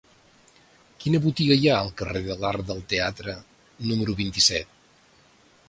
Quina botiga hi ha al carrer de l'Arc del Teatre número vint-i-set?